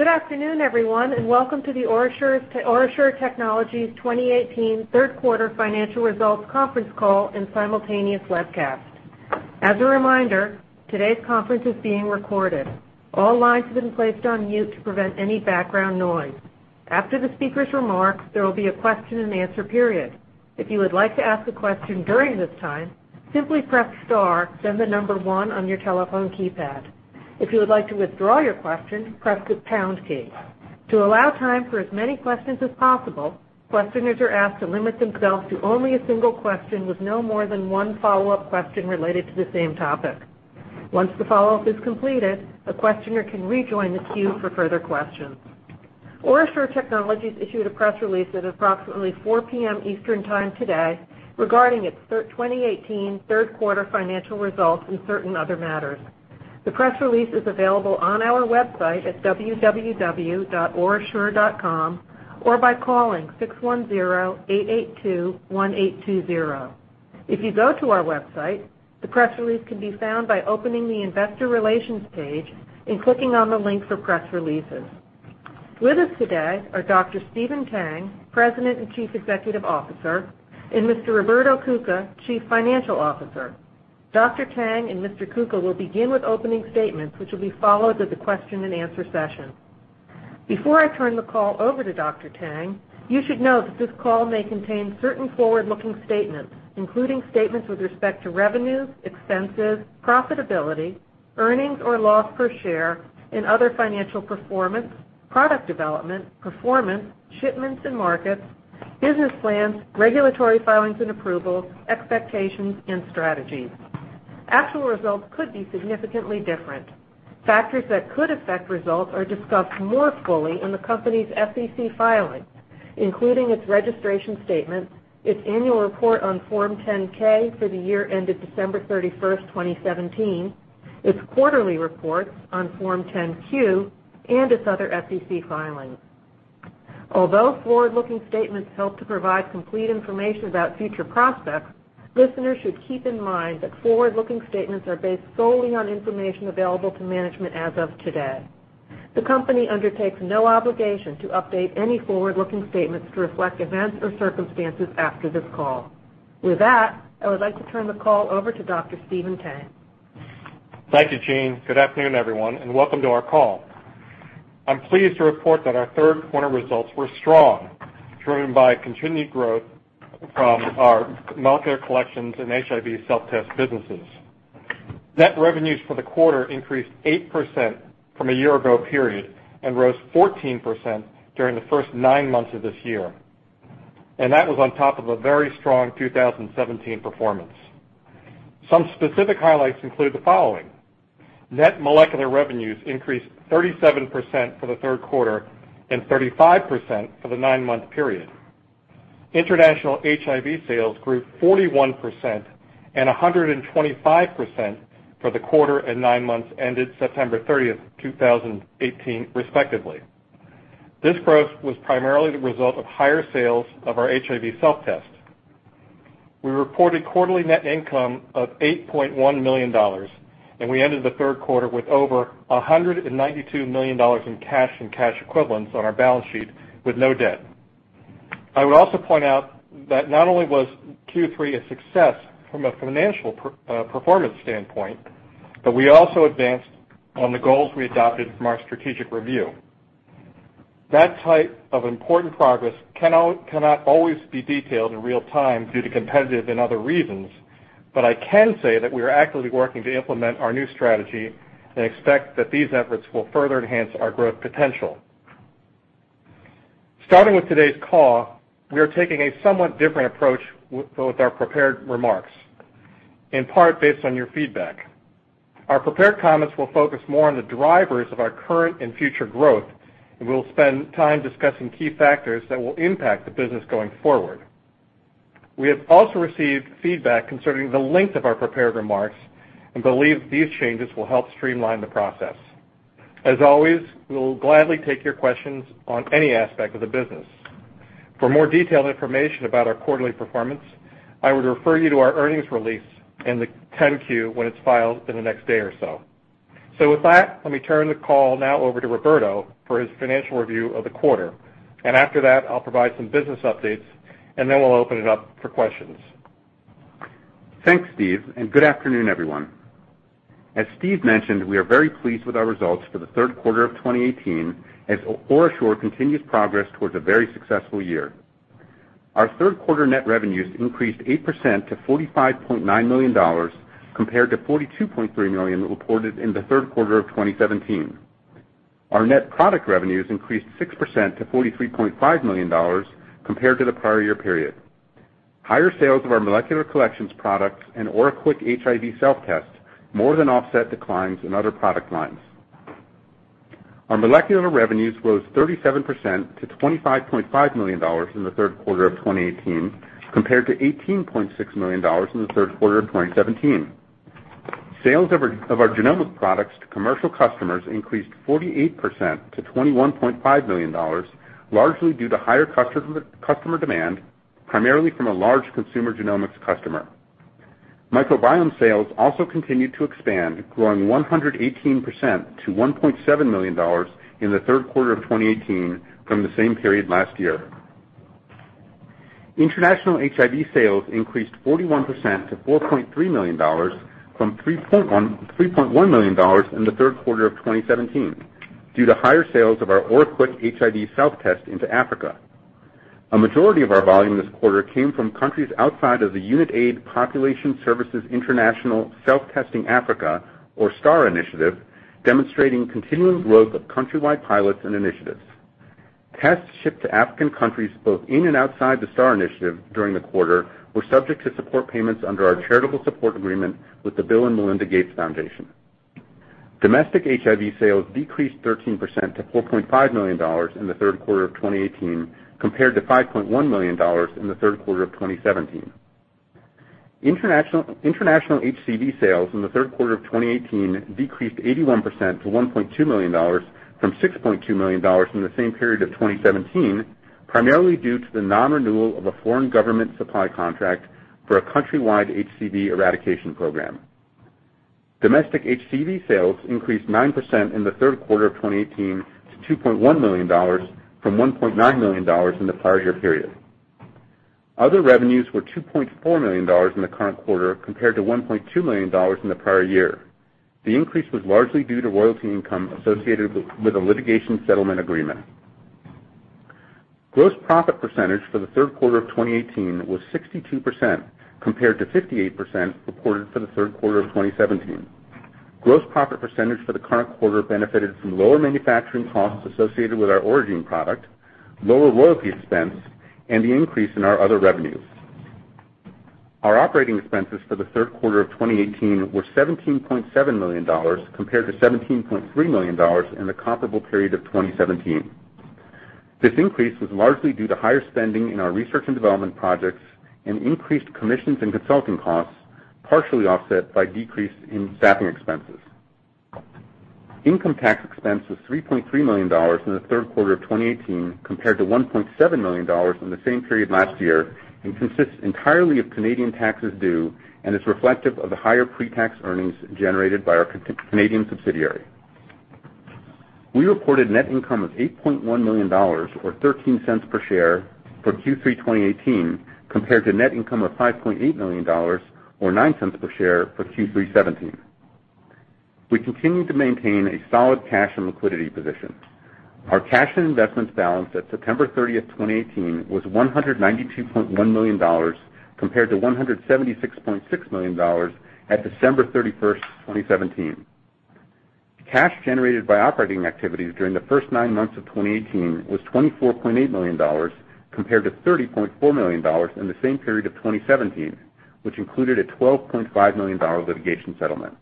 Good afternoon, everyone, and welcome to the OraSure Technologies 2018 third quarter financial results conference call and simultaneous webcast. As a reminder, today's conference is being recorded. All lines have been placed on mute to prevent any background noise. After the speaker's remarks, there will be a question and answer period. If you would like to ask a question during this time, simply press star, then the number one on your telephone keypad. If you would like to withdraw your question, press the pound key. To allow time for as many questions as possible, questioners are asked to limit themselves to only a single question with no more than one follow-up question related to the same topic. Once the follow-up is completed, a questioner can rejoin the queue for further questions. OraSure Technologies issued a press release at approximately 4:00 P.M. Eastern Time today regarding its 2018 third quarter financial results and certain other matters. The press release is available on our website at www.orasure.com or by calling 610-882-1820. If you go to our website, the press release can be found by opening the investor relations page and clicking on the link for press releases. With us today are Dr. Stephen Tang, President and Chief Executive Officer, and Mr. Roberto Cuca, Chief Financial Officer. Dr. Tang and Mr. Cuca will begin with opening statements, which will be followed with the question and answer session. Before I turn the call over to Dr. Tang, you should note that this call may contain certain forward-looking statements, including statements with respect to revenues, expenses, profitability, earnings or loss per share, and other financial performance, product development, performance, shipments and markets, business plans, regulatory filings and approvals, expectations, and strategies. Actual results could be significantly different. Factors that could affect results are discussed more fully in the company's SEC filings, including its registration statement, its annual report on Form 10-K for the year ended December 31st, 2017, its quarterly reports on Form 10-Q, and its other SEC filings. Although forward-looking statements help to provide complete information about future prospects, listeners should keep in mind that forward-looking statements are based solely on information available to management as of today. The company undertakes no obligation to update any forward-looking statements to reflect events or circumstances after this call. With that, I would like to turn the call over to Dr. Stephen Tang. Thank you, Jean. Good afternoon, everyone, and welcome to our call. I'm pleased to report that our third quarter results were strong, driven by continued growth from our molecular collections and HIV self-test businesses. Net revenues for the quarter increased 8% from a year ago period and rose 14% during the first nine months of this year, and that was on top of a very strong 2017 performance. Some specific highlights include the following. Net molecular revenues increased 37% for the third quarter and 35% for the nine-month period. International HIV sales grew 41% and 125% for the quarter and nine months ended September 30th, 2018, respectively. This growth was primarily the result of higher sales of our HIV self-test. We reported quarterly net income of $8.1 million, and we ended the third quarter with over $192 million in cash and cash equivalents on our balance sheet with no debt. I would also point out that not only was Q3 a success from a financial performance standpoint, but we also advanced on the goals we adopted from our strategic review. That type of important progress cannot always be detailed in real time due to competitive and other reasons, but I can say that we are actively working to implement our new strategy and expect that these efforts will further enhance our growth potential. Starting with today's call, we are taking a somewhat different approach with our prepared remarks, in part based on your feedback. Our prepared comments will focus more on the drivers of our current and future growth, and we'll spend time discussing key factors that will impact the business going forward. We have also received feedback concerning the length of our prepared remarks and believe these changes will help streamline the process. As always, we will gladly take your questions on any aspect of the business. For more detailed information about our quarterly performance, I would refer you to our earnings release and the 10-Q when it's filed in the next day or so. With that, let me turn the call now over to Roberto for his financial review of the quarter. After that, I'll provide some business updates, and then we'll open it up for questions. Thanks, Steve. Good afternoon, everyone. As Steve mentioned, we are very pleased with our results for the third quarter of 2018 as OraSure continues progress towards a very successful year. Our third quarter net revenues increased 8% to $45.9 million, compared to $42.3 million reported in the third quarter of 2017. Our net product revenues increased 6% to $43.5 million compared to the prior year period. Higher sales of our molecular collections products and OraQuick HIV self-test more than offset declines in other product lines. Our molecular revenues rose 37% to $25.5 million in the third quarter of 2018, compared to $18.6 million in the third quarter of 2017. Sales of our genomic products to commercial customers increased 48% to $21.5 million, largely due to higher customer demand, primarily from a large consumer genomics customer. Microbiome sales also continued to expand, growing 118% to $1.7 million in the third quarter of 2018 from the same period last year. International HIV sales increased 41% to $4.3 million from $3.1 million in the third quarter of 2017 due to higher sales of our OraQuick HIV self-test into Africa. A majority of our volume this quarter came from countries outside of the Unitaid Population Services International Self-Testing Africa, or STAR initiative, demonstrating continuing growth of country-wide pilots and initiatives. Tests shipped to African countries both in and outside the STAR initiative during the quarter were subject to support payments under our charitable support agreement with the Bill & Melinda Gates Foundation. Domestic HIV sales decreased 13% to $4.5 million in the third quarter of 2018 compared to $5.1 million in the third quarter of 2017. International HCV sales in the third quarter of 2018 decreased 81% to $1.2 million from $6.2 million in the same period of 2017, primarily due to the non-renewal of a foreign government supply contract for a country-wide HCV eradication program. Domestic HCV sales increased 9% in the third quarter of 2018 to $2.1 million from $1.9 million in the prior year period. Other revenues were $2.4 million in the current quarter compared to $1.2 million in the prior year. The increase was largely due to royalty income associated with a litigation settlement agreement. Gross profit percentage for the third quarter of 2018 was 62%, compared to 58% reported for the third quarter of 2017. Gross profit percentage for the current quarter benefited from lower manufacturing costs associated with our Oragene product, lower royalty expense, and the increase in our other revenues. Our operating expenses for the third quarter of 2018 were $17.7 million compared to $17.3 million in the comparable period of 2017. This increase was largely due to higher spending in our research and development projects and increased commissions and consulting costs, partially offset by decrease in staffing expenses. Income tax expense was $3.3 million in the third quarter of 2018 compared to $1.7 million in the same period last year and consists entirely of Canadian taxes due and is reflective of the higher pre-tax earnings generated by our Canadian subsidiary. We reported net income of $8.1 million, or $0.13 per share for Q3 2018, compared to net income of $5.8 million or $0.09 per share for Q3 2017. We continue to maintain a solid cash and liquidity position. Our cash and investments balance at September 30th, 2018, was $192.1 million, compared to $176.6 million at December 31st, 2017. Cash generated by operating activities during the first nine months of 2018 was $24.8 million, compared to $30.4 million in the same period of 2017, which included a $12.5 million litigation settlement.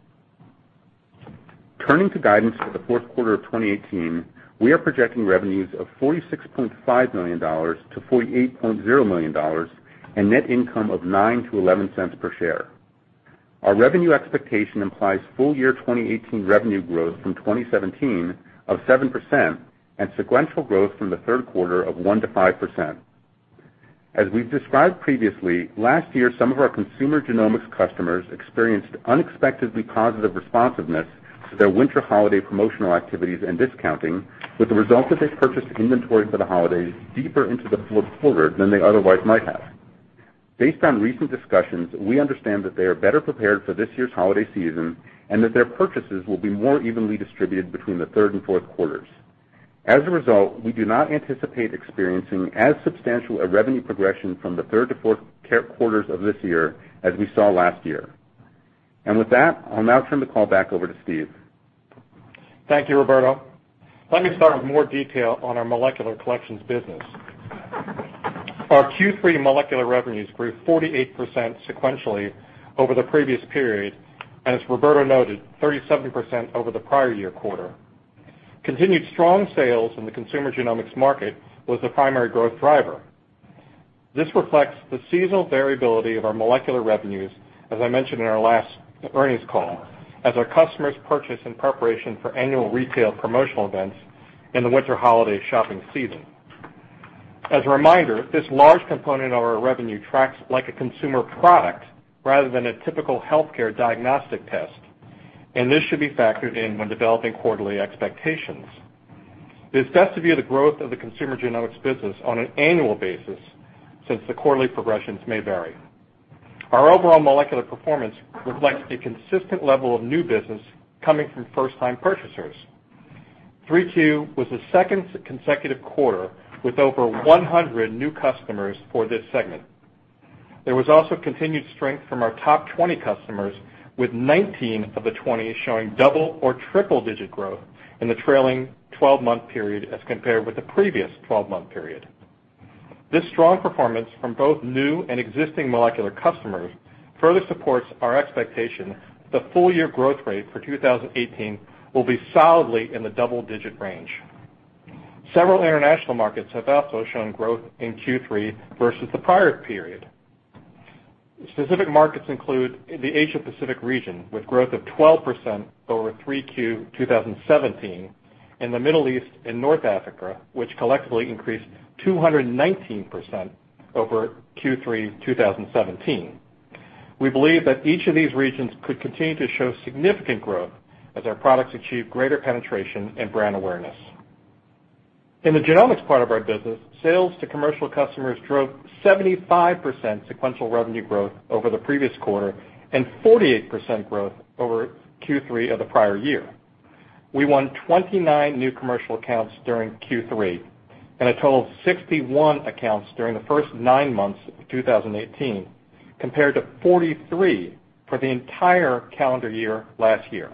Turning to guidance for the fourth quarter of 2018, we are projecting revenues of $46.5 million to $48.0 million and net income of $0.09 to $0.11 per share. Our revenue expectation implies full year 2018 revenue growth from 2017 of 7% and sequential growth from the third quarter of 1% to 5%. As we've described previously, last year, some of our consumer genomics customers experienced unexpectedly positive responsiveness to their winter holiday promotional activities and discounting with the result that they purchased inventory for the holidays deeper into the fourth quarter than they otherwise might have. Based on recent discussions, we understand that they are better prepared for this year's holiday season and that their purchases will be more evenly distributed between the third and fourth quarters. As a result, we do not anticipate experiencing as substantial a revenue progression from the third to fourth quarters of this year as we saw last year. With that, I'll now turn the call back over to Steve. Thank you, Roberto. Let me start with more detail on our molecular collections business. Our Q3 molecular revenues grew 48% sequentially over the previous period, as Roberto noted, 37% over the prior year quarter. Continued strong sales in the consumer genomics market was the primary growth driver. This reflects the seasonal variability of our molecular revenues, as I mentioned in our last earnings call, as our customers purchase in preparation for annual retail promotional events in the winter holiday shopping season. As a reminder, this large component of our revenue tracks like a consumer product rather than a typical healthcare diagnostic test, and this should be factored in when developing quarterly expectations. It is best to view the growth of the consumer genomics business on an annual basis, since the quarterly progressions may vary. Our overall molecular performance reflects a consistent level of new business coming from first-time purchasers. 3Q was the second consecutive quarter with over 100 new customers for this segment. There was also continued strength from our top 20 customers, with 19 of the 20 showing double or triple-digit growth in the trailing 12-month period as compared with the previous 12-month period. This strong performance from both new and existing molecular customers further supports our expectation the full year growth rate for 2018 will be solidly in the double-digit range. Several international markets have also shown growth in Q3 versus the prior period. Specific markets include the Asia Pacific region, with growth of 12% over 3Q 2017. In the Middle East and North Africa, which collectively increased 219% over Q3 2017. We believe that each of these regions could continue to show significant growth as our products achieve greater penetration and brand awareness. In the genomics part of our business, sales to commercial customers drove 75% sequential revenue growth over the previous quarter and 48% growth over Q3 of the prior year. We won 29 new commercial accounts during Q3 and a total of 61 accounts during the first nine months of 2018, compared to 43 for the entire calendar year last year.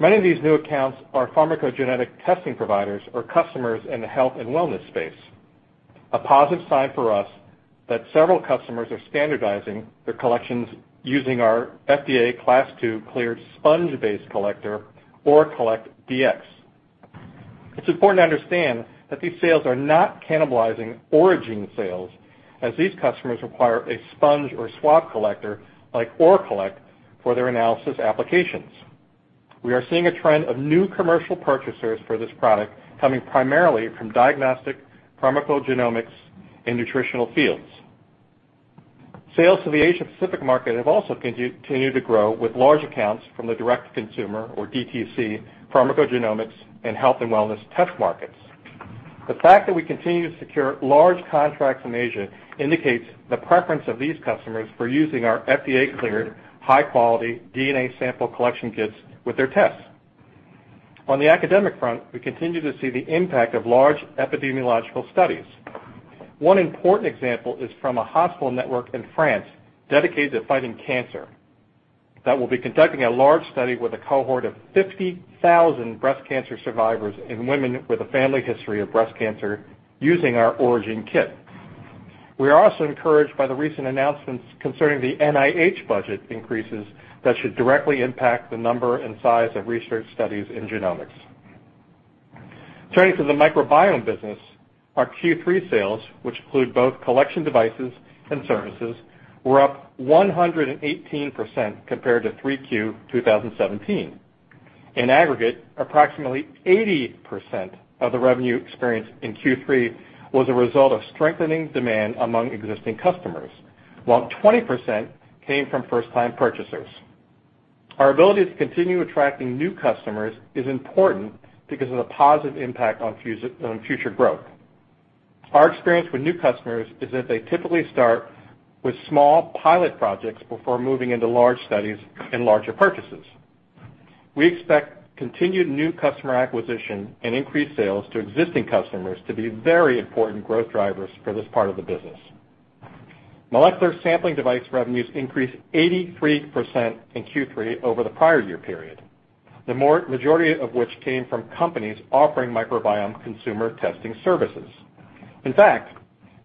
Many of these new accounts are pharmacogenetic testing providers or customers in the health and wellness space. A positive sign for us that several customers are standardizing their collections using our FDA Class II cleared sponge-based collector, ORAcollect•Dx. It's important to understand that these sales are not cannibalizing Oragene sales, as these customers require a sponge or swab collector like ORAcollect for their analysis applications. We are seeing a trend of new commercial purchasers for this product coming primarily from diagnostic pharmacogenomics and nutritional fields. Sales to the Asia-Pacific market have also continued to grow with large accounts from the direct-to-consumer, or DTC, pharmacogenomics and health and wellness test markets. The fact that we continue to secure large contracts in Asia indicates the preference of these customers for using our FDA-cleared, high-quality DNA sample collection kits with their tests. On the academic front, we continue to see the impact of large epidemiological studies. One important example is from a hospital network in France dedicated to fighting cancer, that will be conducting a large study with a cohort of 50,000 breast cancer survivors and women with a family history of breast cancer using our Oragene kit. We are also encouraged by the recent announcements concerning the NIH budget increases that should directly impact the number and size of research studies in genomics. Turning to the microbiome business, our Q3 sales, which include both collection devices and services, were up 118% compared to Q3 2017. In aggregate, approximately 80% of the revenue experienced in Q3 was a result of strengthening demand among existing customers, while 20% came from first-time purchasers. Our ability to continue attracting new customers is important because of the positive impact on future growth. Our experience with new customers is that they typically start with small pilot projects before moving into large studies and larger purchases. We expect continued new customer acquisition and increased sales to existing customers to be very important growth drivers for this part of the business. Molecular sampling device revenues increased 83% in Q3 over the prior year period, the majority of which came from companies offering microbiome consumer testing services. In fact,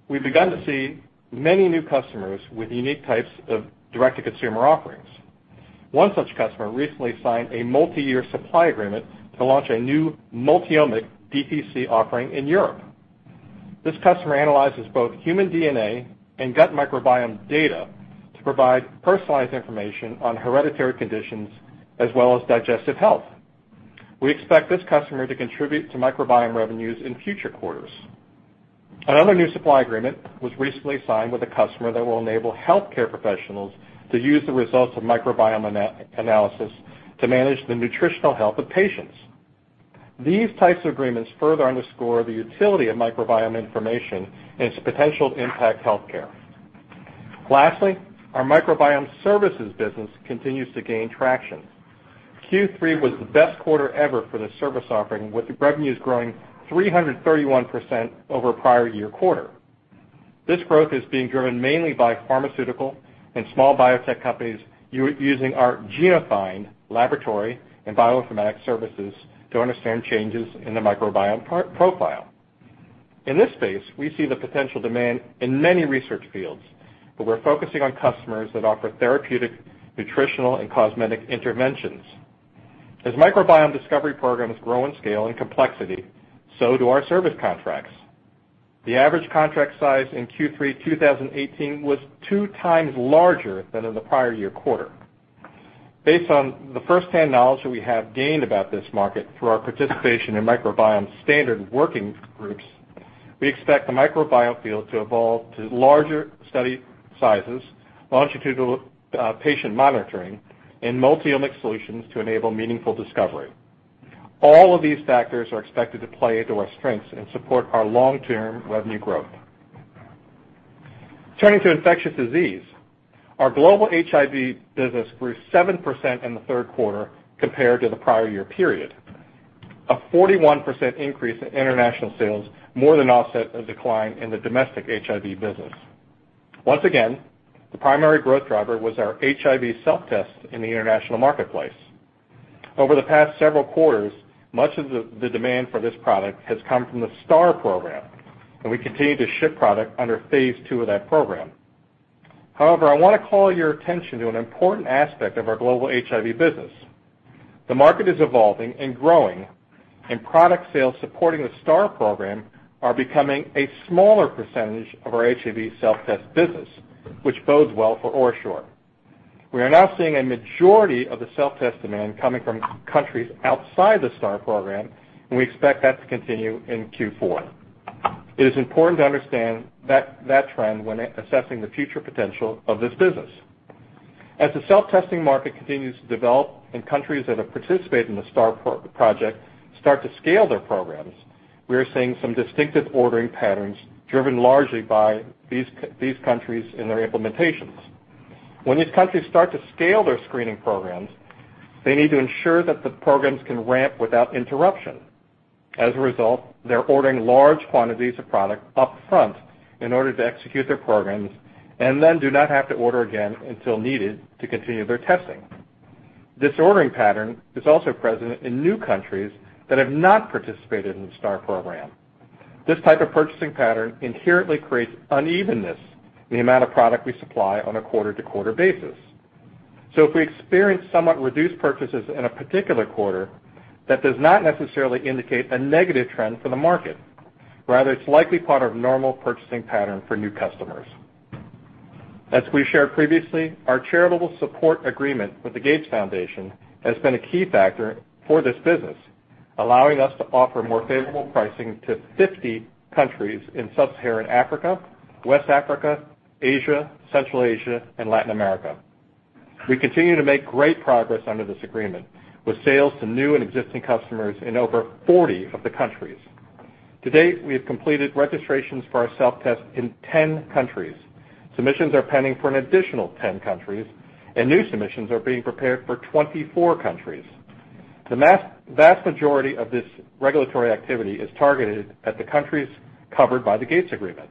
we've begun to see many new customers with unique types of direct-to-consumer offerings. One such customer recently signed a multi-year supply agreement to launch a new multi-omic DTC offering in Europe. This customer analyzes both human DNA and gut microbiome data to provide personalized information on hereditary conditions as well as digestive health. We expect this customer to contribute to microbiome revenues in future quarters. Another new supply agreement was recently signed with a customer that will enable healthcare professionals to use the results of microbiome analysis to manage the nutritional health of patients. These types of agreements further underscore the utility of microbiome information and its potential to impact healthcare. Lastly, our microbiome services business continues to gain traction. Q3 was the best quarter ever for the service offering, with revenues growing 331% over prior year quarter. This growth is being driven mainly by pharmaceutical and small biotech companies using our GenoFind laboratory and bioinformatic services to understand changes in the microbiome profile. In this space, we see the potential demand in many research fields, but we're focusing on customers that offer therapeutic, nutritional, and cosmetic interventions. As microbiome discovery programs grow in scale and complexity, so do our service contracts. The average contract size in Q3 2018 was two times larger than in the prior year quarter. Based on the firsthand knowledge that we have gained about this market through our participation in microbiome standard working groups, we expect the microbiome field to evolve to larger study sizes, longitudinal patient monitoring, and multi-omic solutions to enable meaningful discovery. All of these factors are expected to play into our strengths and support our long-term revenue growth. Turning to infectious disease, our global HIV business grew 7% in the third quarter compared to the prior year period. A 41% increase in international sales more than offset a decline in the domestic HIV business. Once again, the primary growth driver was our HIV self-test in the international marketplace. Over the past several quarters, much of the demand for this product has come from the STAR program, and we continue to ship product under phase II of that program. I want to call your attention to an important aspect of our global HIV business. The market is evolving and growing, product sales supporting the STAR program are becoming a smaller percentage of our HIV self-test business, which bodes well for OraSure. We are now seeing a majority of the self-test demand coming from countries outside the STAR program, and we expect that to continue in Q4. It is important to understand that trend when assessing the future potential of this business. As the self-testing market continues to develop and countries that have participated in the STAR program start to scale their programs, we are seeing some distinctive ordering patterns driven largely by these countries and their implementations. When these countries start to scale their screening programs, they need to ensure that the programs can ramp without interruption. They're ordering large quantities of product up front in order to execute their programs and then do not have to order again until needed to continue their testing. This ordering pattern is also present in new countries that have not participated in the STAR program. This type of purchasing pattern inherently creates unevenness in the amount of product we supply on a quarter-to-quarter basis. If we experience somewhat reduced purchases in a particular quarter, that does not necessarily indicate a negative trend for the market. Rather, it's likely part of normal purchasing pattern for new customers. As we shared previously, our charitable support agreement with the Gates Foundation has been a key factor for this business, allowing us to offer more favorable pricing to 50 countries in sub-Saharan Africa, West Africa, Asia, Central Asia, and Latin America. We continue to make great progress under this agreement with sales to new and existing customers in over 40 of the countries. To date, we have completed registrations for our self-test in 10 countries. Submissions are pending for an additional 10 countries, and new submissions are being prepared for 24 countries. The vast majority of this regulatory activity is targeted at the countries covered by the Gates agreement.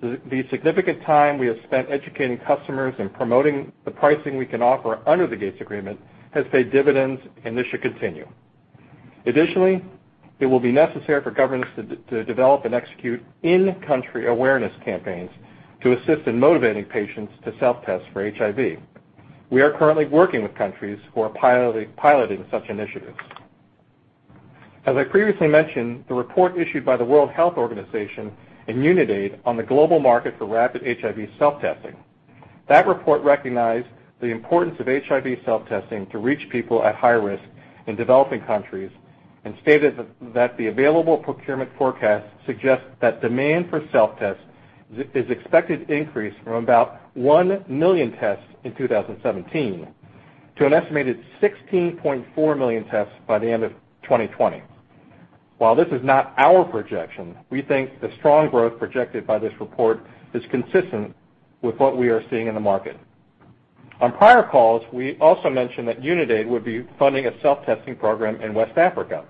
The significant time we have spent educating customers and promoting the pricing we can offer under the Gates agreement has paid dividends, and this should continue. It will be necessary for governments to develop and execute in-country awareness campaigns to assist in motivating patients to self-test for HIV. We are currently working with countries who are piloting such initiatives. As I previously mentioned, the report issued by the World Health Organization and UNAIDS on the global market for rapid HIV self-testing. That report recognized the importance of HIV self-testing to reach people at high risk in developing countries and stated that the available procurement forecast suggests that demand for self-test is expected to increase from about 1 million tests in 2017 to an estimated 16.4 million tests by the end of 2020. While this is not our projection, we think the strong growth projected by this report is consistent with what we are seeing in the market. On prior calls, we also mentioned that UNAIDS would be funding a self-testing program in West Africa.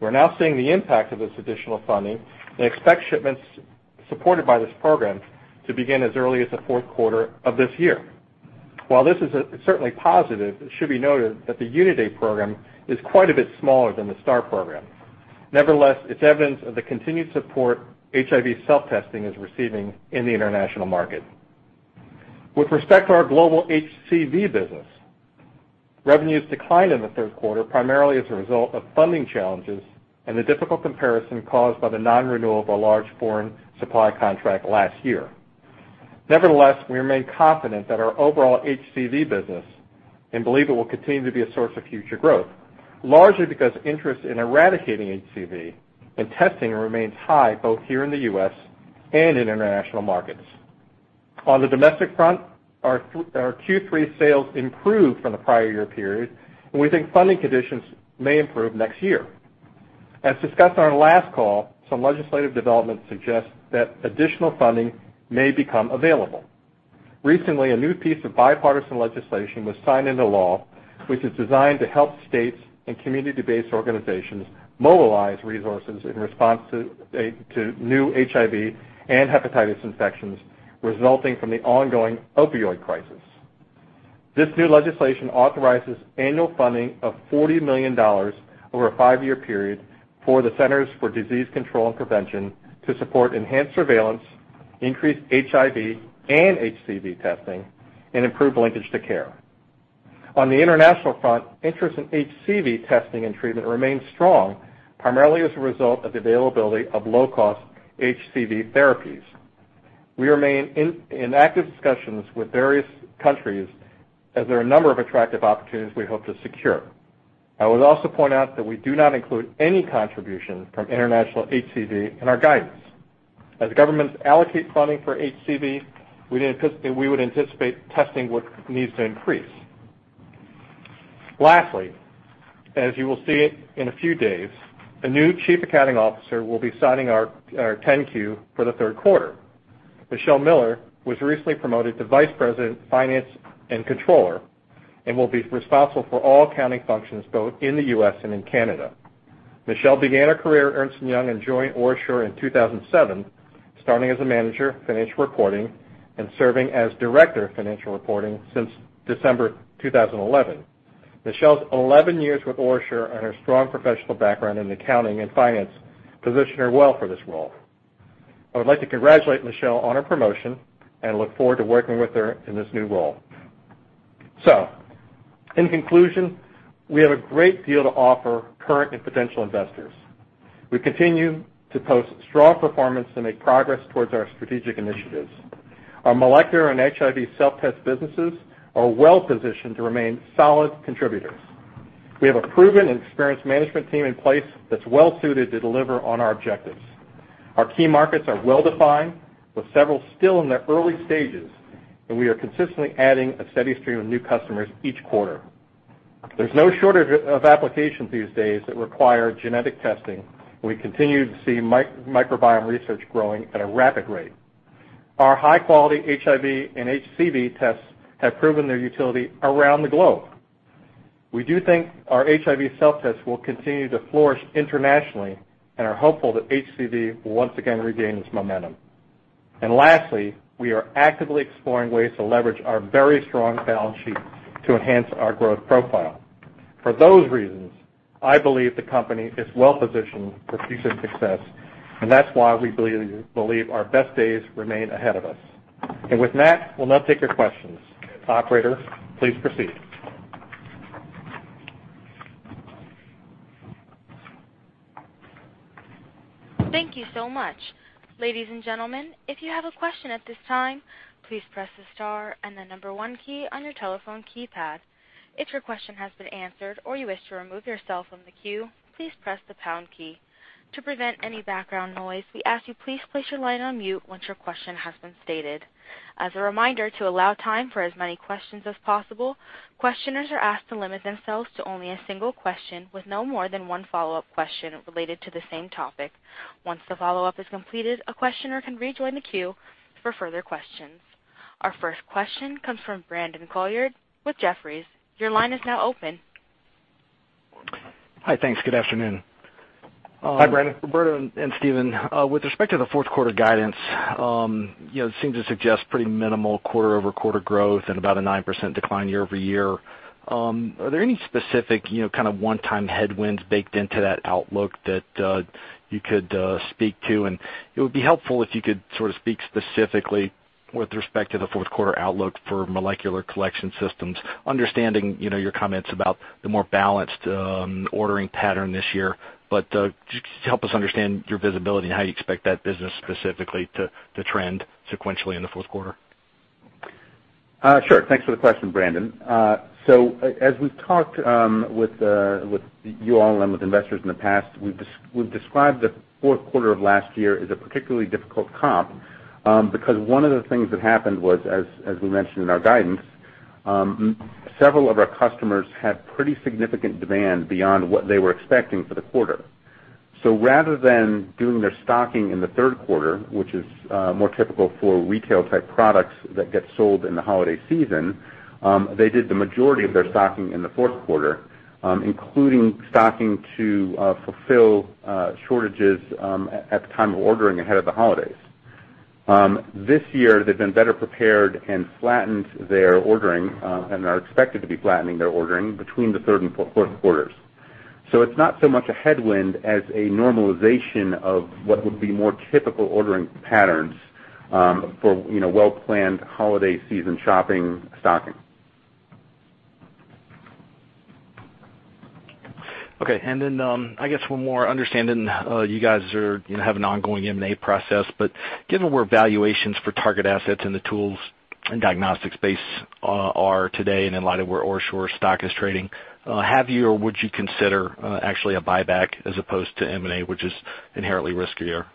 We're now seeing the impact of this additional funding and expect shipments supported by this program to begin as early as the fourth quarter of this year. While this is certainly positive, it should be noted that the UNAIDS program is quite a bit smaller than the STAR program. Nevertheless, it's evidence of the continued support HIV self-testing is receiving in the international market. With respect to our global HCV business, revenues declined in the third quarter, primarily as a result of funding challenges and the difficult comparison caused by the non-renewal of a large foreign supply contract last year. We remain confident that our overall HCV business and believe it will continue to be a source of future growth, largely because interest in eradicating HCV and testing remains high both here in the U.S. and in international markets. On the domestic front, our Q3 sales improved from the prior year period, and we think funding conditions may improve next year. As discussed on our last call, some legislative developments suggest that additional funding may become available. Recently, a new piece of bipartisan legislation was signed into law, which is designed to help states and community-based organizations mobilize resources in response to new HIV and hepatitis infections resulting from the ongoing opioid crisis. This new legislation authorizes annual funding of $40 million over a five-year period for the Centers for Disease Control and Prevention to support enhanced surveillance, increased HIV and HCV testing, and improve linkage to care. On the international front, interest in HCV testing and treatment remains strong, primarily as a result of the availability of low-cost HCV therapies. We remain in active discussions with various countries as there are a number of attractive opportunities we hope to secure. I would also point out that we do not include any contribution from international HCV in our guidance. As governments allocate funding for HCV, we would anticipate testing needs to increase. Lastly, as you will see in a few days, a new chief accounting officer will be signing our 10-Q for the third quarter. Michelle Miller was recently promoted to Vice President of Finance and Controller and will be responsible for all accounting functions, both in the U.S. and in Canada. Michelle began her career at Ernst & Young and joined OraSure in 2007, starting as a manager of financial reporting and serving as director of financial reporting since December 2011. Michelle's 11 years with OraSure and her strong professional background in accounting and finance position her well for this role. In conclusion, we have a great deal to offer current and potential investors. We continue to post strong performance and make progress towards our strategic initiatives. Our molecular and HIV self-test businesses are well-positioned to remain solid contributors. We have a proven and experienced management team in place that's well-suited to deliver on our objectives. Our key markets are well-defined, with several still in their early stages, and we are consistently adding a steady stream of new customers each quarter. There's no shortage of applications these days that require genetic testing, and we continue to see microbiome research growing at a rapid rate. Our high-quality HIV and HCV tests have proven their utility around the globe. We do think our HIV self-test will continue to flourish internationally and are hopeful that HCV will once again regain its momentum. Lastly, we are actively exploring ways to leverage our very strong balance sheet to enhance our growth profile. For those reasons, I believe the company is well-positioned for future success, and that's why we believe our best days remain ahead of us. With that, we'll now take your questions. Operator, please proceed. Thank you so much. Ladies and gentlemen, if you have a question at this time, please press the star and the number one key on your telephone keypad. If your question has been answered or you wish to remove yourself from the queue, please press the pound key. To prevent any background noise, we ask you please place your line on mute once your question has been stated. As a reminder, to allow time for as many questions as possible, questioners are asked to limit themselves to only a single question with no more than one follow-up question related to the same topic. Once the follow-up is completed, a questioner can rejoin the queue for further questions. Our first question comes from Brandon Couillard with Jefferies. Your line is now open. Hi, thanks. Good afternoon. Hi, Brandon. Roberto and Stephen, with respect to the fourth quarter guidance, it seems to suggest pretty minimal quarter-over-quarter growth and about a 9% decline year-over-year. Are there any specific one-time headwinds baked into that outlook that you could speak to? It would be helpful if you could sort of speak specifically with respect to the fourth quarter outlook for molecular collection systems, understanding your comments about the more balanced ordering pattern this year. Just help us understand your visibility and how you expect that business specifically to trend sequentially in the fourth quarter. Sure. Thanks for the question, Brandon. As we've talked with you all and with investors in the past, we've described the fourth quarter of last year as a particularly difficult comp because one of the things that happened was, as we mentioned in our guidance, several of our customers had pretty significant demand beyond what they were expecting for the quarter. Rather than doing their stocking in the third quarter, which is more typical for retail-type products that get sold in the holiday season, they did the majority of their stocking in the fourth quarter, including stocking to fulfill shortages at the time of ordering ahead of the holidays. This year, they've been better prepared and flattened their ordering, and are expected to be flattening their ordering between the third and fourth quarters. It's not so much a headwind as a normalization of what would be more typical ordering patterns for well-planned holiday season shopping stocking. Okay. I guess one more, understanding you guys have an ongoing M&A process, given where valuations for target assets in the tools and diagnostics space are today and in light of where OraSure stock is trading, have you or would you consider actually a buyback as opposed to M&A, which is inherently riskier?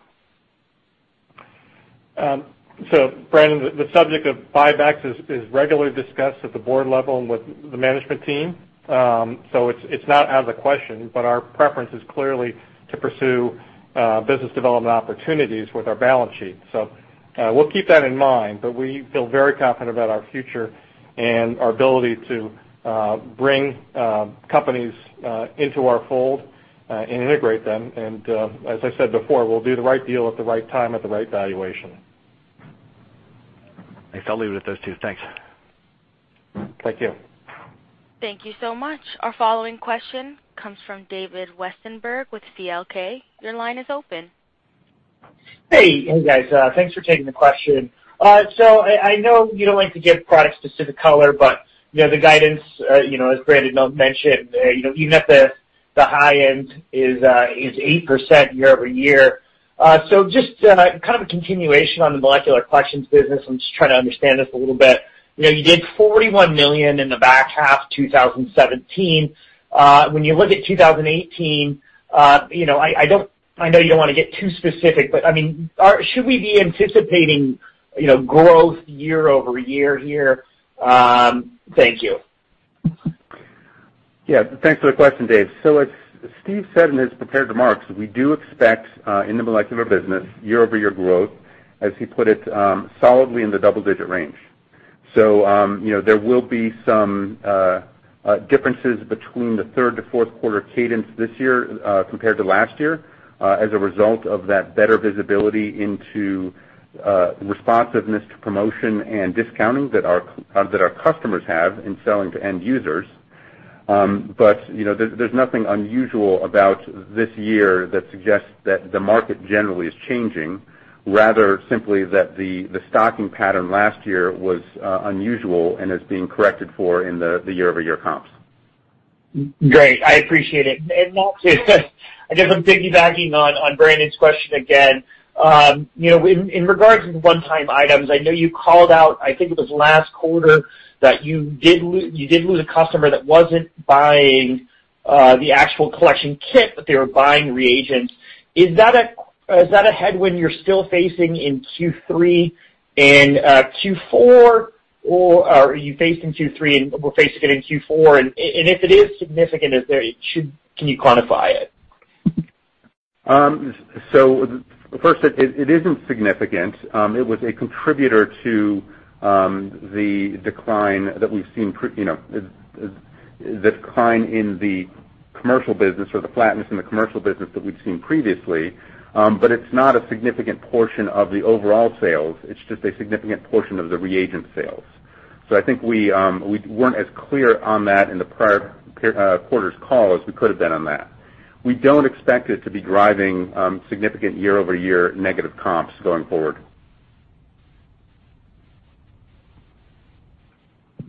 Brandon, the subject of buybacks is regularly discussed at the board level and with the management team. It's not out of the question, but our preference is clearly to pursue business development opportunities with our balance sheet. We'll keep that in mind, but we feel very confident about our future and our ability to bring companies into our fold and integrate them. As I said before, we'll do the right deal at the right time at the right valuation. I'll leave it at those two. Thanks. Thank you. Thank you so much. Our following question comes from David Westenberg with CL King. Your line is open. Hey, guys. Thanks for taking the question. I know you don't like to give product-specific color, but the guidance, as Brandon mentioned, even at the high end is 8% year-over-year. Just kind of a continuation on the molecular questions business, I'm just trying to understand this a little bit. You did $41 million in the back half 2017. When you look at 2018, I know you don't want to get too specific, but should we be anticipating growth year-over-year here? Thank you. Yeah. Thanks for the question, Dave. As Steve said in his prepared remarks, we do expect, in the molecular business, year-over-year growth, as he put it, solidly in the double-digit range. There will be some differences between the third to fourth quarter cadence this year compared to last year as a result of that better visibility into responsiveness to promotion and discounting that our customers have in selling to end users. There's nothing unusual about this year that suggests that the market generally is changing. Rather, simply that the stocking pattern last year was unusual and is being corrected for in the year-over-year comps. Great. I appreciate it. I guess I'm piggybacking on Brandon's question again. In regards to the one-time items, I know you called out, I think it was last quarter, that you did lose a customer that wasn't buying the actual collection kit, but they were buying reagents. Is that a headwind you're still facing in Q3 and Q4? Are you faced in Q3 and will face it in Q4? If it is significant, can you quantify it? First, it isn't significant. It was a contributor to the decline in the commercial business, or the flatness in the commercial business that we've seen previously. It's not a significant portion of the overall sales. It's just a significant portion of the reagent sales. I think we weren't as clear on that in the prior quarter's call as we could have been on that. We don't expect it to be driving significant year-over-year negative comps going forward.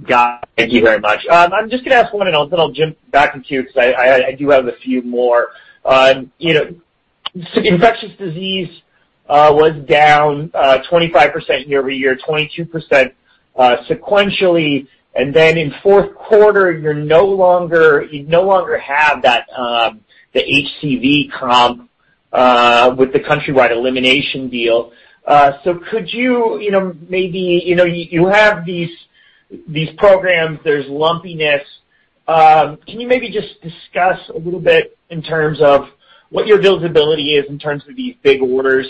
Got it. Thank you very much. I'm just going to ask one, then I'll jump back in queue because I do have a few more. Infectious disease was down 25% year-over-year, 22% sequentially. In fourth quarter, you no longer have the HCV comp with the countrywide elimination deal. You have these programs, there's lumpiness. Can you maybe just discuss a little bit in terms of what your visibility is in terms of these big orders?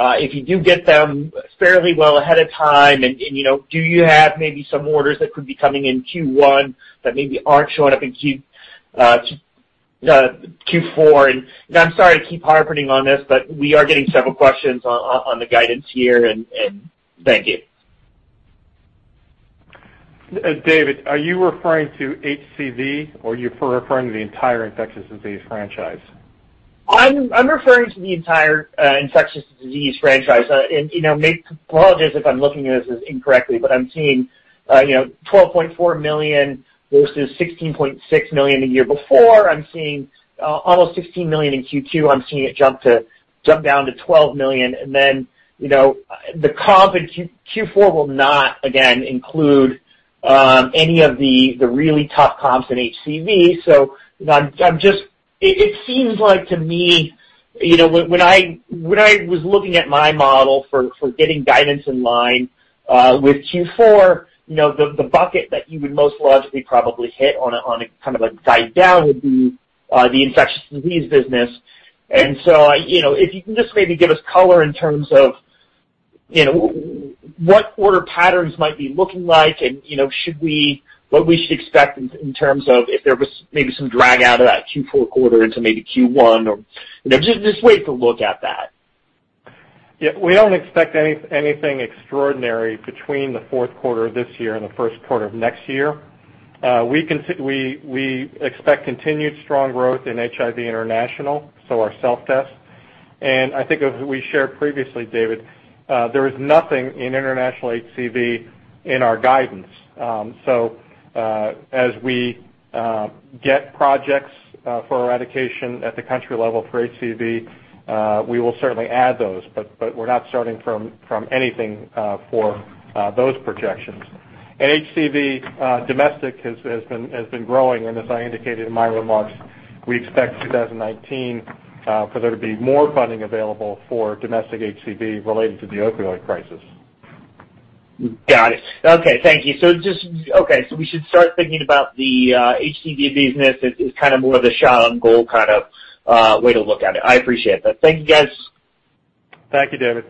If you do get them fairly well ahead of time, do you have maybe some orders that could be coming in Q1 that maybe aren't showing up in Q4? I'm sorry to keep harping on this, we are getting several questions on the guidance here, thank you. David, are you referring to HCV or are you referring to the entire infectious disease franchise? I'm referring to the entire infectious disease franchise. Apologies if I'm looking at this incorrectly, I'm seeing $12.4 million versus $16.6 million a year before. I'm seeing almost $16 million in Q2. I'm seeing it jump down to $12 million. The comp in Q4 will not, again, include any of the really tough comps in HCV. It seems like to me, when I was looking at my model for getting guidance in line with Q4, the bucket that you would most logically probably hit on a kind of a guide down would be the infectious disease business. If you can just maybe give us color in terms of what order patterns might be looking like and what we should expect in terms of if there was maybe some drag out of that Q4 quarter into maybe Q1 or just ways to look at that. Yeah. We don't expect anything extraordinary between the fourth quarter of this year and the first quarter of next year. We expect continued strong growth in HIV international, so our self-test. I think as we shared previously, David, there is nothing in international HCV in our guidance. As we get projects for eradication at the country level for HCV, we will certainly add those. We're not starting from anything for those projections. HCV domestic has been growing, and as I indicated in my remarks, we expect 2019 for there to be more funding available for domestic HCV related to the opioid crisis. Got it. Okay. Thank you. We should start thinking about the HCV business as kind of more of a shot on goal kind of way to look at it. I appreciate that. Thank you, guys. Thank you, David.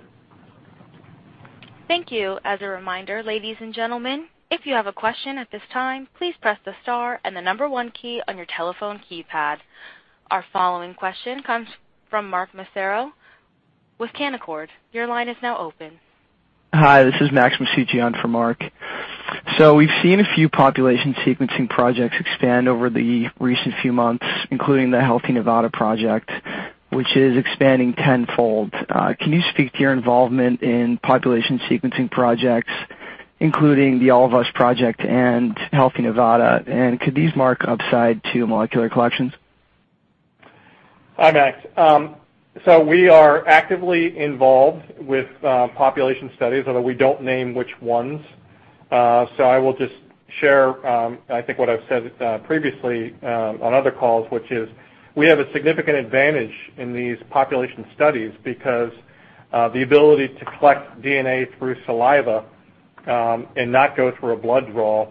Thank you. As a reminder, ladies and gentlemen, if you have a question at this time, please press the star and the number one key on your telephone keypad. Our following question comes from Mark Massaro with Canaccord. Your line is now open. Hi, this is Max Masucci for Mark Massaro. We've seen a few population sequencing projects expand over the recent few months, including the Healthy Nevada Project, which is expanding tenfold. Can you speak to your involvement in population sequencing projects, including the All of Us project and Healthy Nevada, and could these mark upside to molecular collections? Hi, Max. We are actively involved with population studies, although we don't name which ones. I will just share, I think what I've said previously on other calls, which is we have a significant advantage in these population studies because the ability to collect DNA through saliva and not go through a blood draw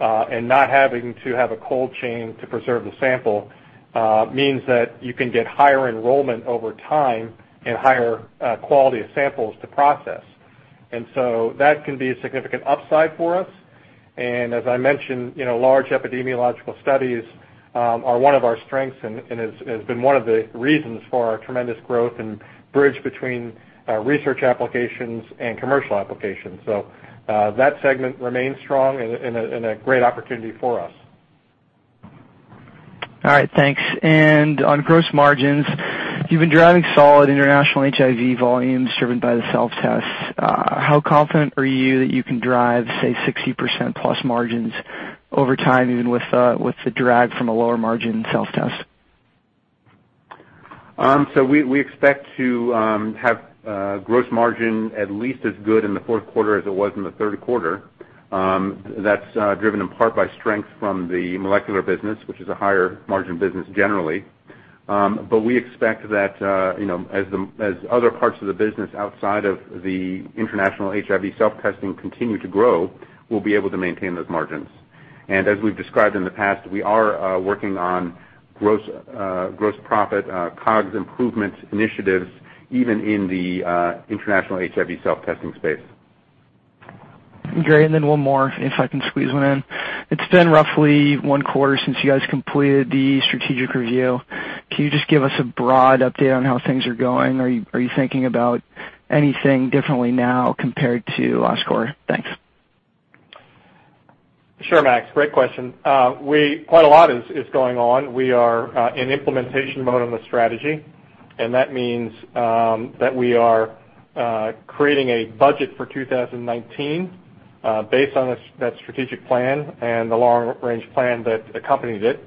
and not having to have a cold chain to preserve the sample, means that you can get higher enrollment over time and higher quality of samples to process. That can be a significant upside for us. As I mentioned, large epidemiological studies are one of our strengths and has been one of the reasons for our tremendous growth and bridge between research applications and commercial applications. That segment remains strong and a great opportunity for us. All right, thanks. On gross margins, you've been driving solid international HIV volumes driven by the self-tests. How confident are you that you can drive, say, 60%+ margins over time, even with the drag from a lower margin self-test? We expect to have gross margin at least as good in the fourth quarter as it was in the third quarter. That's driven in part by strength from the molecular business, which is a higher margin business generally. We expect that as other parts of the business outside of the international HIV self-testing continue to grow, we'll be able to maintain those margins. As we've described in the past, we are working on gross profit, COGS improvements initiatives, even in the international HIV self-testing space. Great. One more, if I can squeeze one in. It's been roughly one quarter since you guys completed the strategic review. Can you just give us a broad update on how things are going? Are you thinking about anything differently now compared to last quarter? Thanks. Sure, Max. Great question. Quite a lot is going on. We are in implementation mode on the strategy, that means that we are creating a budget for 2019 based on that strategic plan and the long-range plan that accompanied it.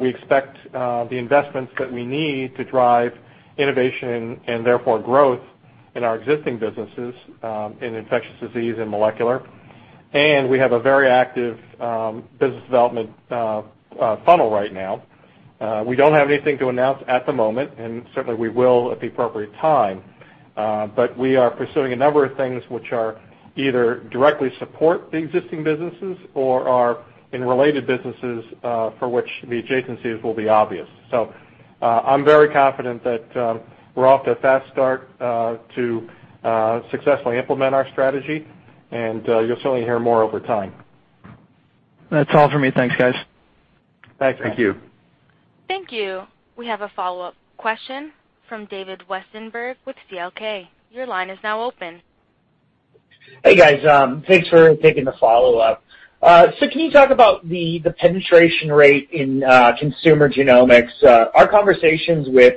We expect the investments that we need to drive innovation and therefore growth in our existing businesses in infectious disease and molecular. We have a very active business development funnel right now. We don't have anything to announce at the moment, and certainly we will at the appropriate time. We are pursuing a number of things which either directly support the existing businesses or are in related businesses, for which the adjacencies will be obvious. I'm very confident that we're off to a fast start to successfully implement our strategy, and you'll certainly hear more over time. That's all for me. Thanks, guys. Thanks, Max. Thank you. Thank you. We have a follow-up question from David Westenberg with CLK. Your line is now open. Hey, guys. Thanks for taking the follow-up. Can you talk about the penetration rate in consumer genomics? Our conversations with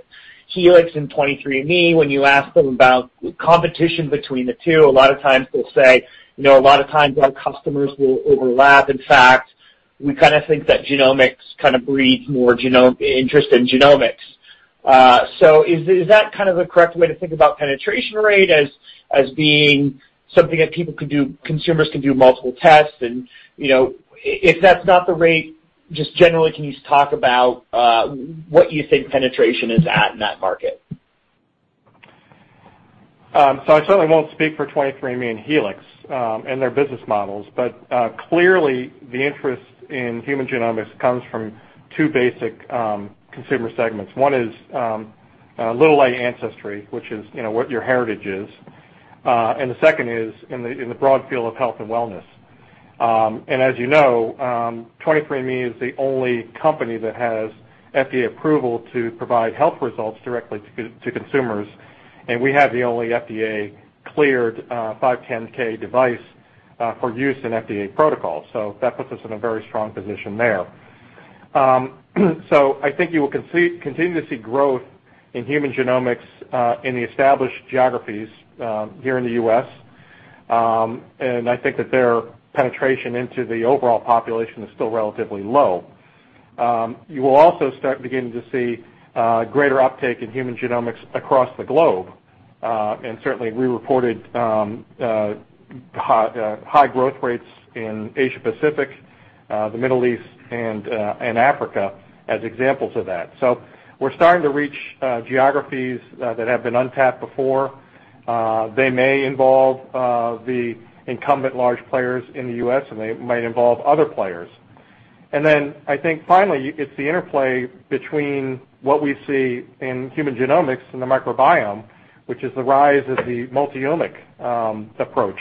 Helix and 23andMe, when you ask them about competition between the two, a lot of times they'll say, "A lot of times our customers will overlap. In fact, we think that genomics breeds more interest in genomics." Is that the correct way to think about penetration rate as being something that consumers can do multiple tests? If that's not the rate, just generally, can you talk about where you think penetration is at in that market? I certainly won't speak for 23andMe and Helix, and their business models. Clearly the interest in human genomics comes from two basic consumer segments. One is a little like ancestry, which is what your heritage is, and the second is in the broad field of health and wellness. As you know, 23andMe is the only company that has FDA approval to provide health results directly to consumers. We have the only FDA-cleared 510 device for use in FDA protocols. That puts us in a very strong position there. I think you will continue to see growth in human genomics, in the established geographies here in the U.S., and I think that their penetration into the overall population is still relatively low. You will also start beginning to see greater uptake in human genomics across the globe. Certainly we reported high growth rates in Asia-Pacific, the Middle East, and Africa as examples of that. We're starting to reach geographies that have been untapped before. They may involve the incumbent large players in the U.S., and they might involve other players. I think finally, it's the interplay between what we see in human genomics and the microbiome, which is the rise of the multi-omic approach,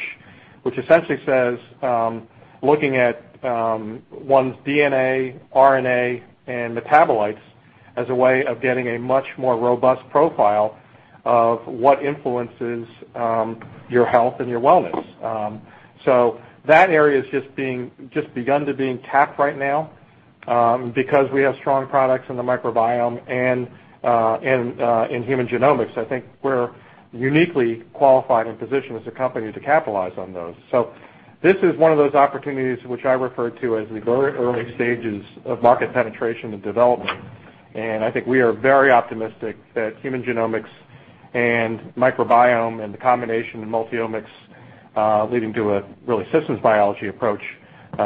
which essentially says, looking at one's DNA, RNA, and metabolites as a way of getting a much more robust profile of what influences your health and your wellness. That area's just begun to being tapped right now. Because we have strong products in the microbiome and in human genomics, I think we're uniquely qualified and positioned as a company to capitalize on those. This is one of those opportunities which I refer to as the very early stages of market penetration and development. I think we are very optimistic that human genomics and microbiome and the combination of multi-omics, leading to a really systems biology approach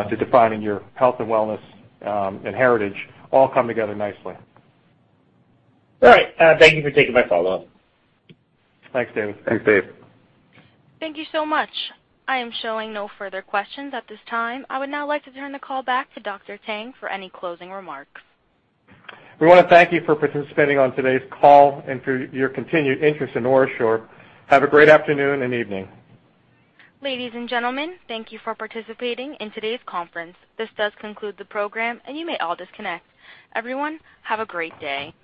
to defining your health and wellness, and heritage all come together nicely. All right. Thank you for taking my follow-up. Thanks, David. Thanks, Dave. Thank you so much. I am showing no further questions at this time. I would now like to turn the call back to Dr. Tang for any closing remarks. We want to thank you for participating on today's call and for your continued interest in OraSure. Have a great afternoon and evening. Ladies and gentlemen, thank you for participating in today's conference. This does conclude the program, and you may all disconnect. Everyone, have a great day.